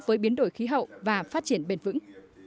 với biến đổi khí hậu và phát triển bền vững